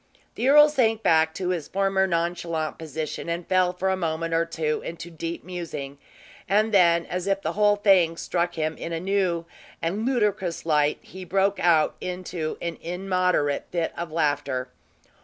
The earl sank back to his former nonchalant position and fell for a moment or two into deep musing; and then, as if the whole thing struck him in a new and ludicrous light, he broke out into an immoderate fit of laughter.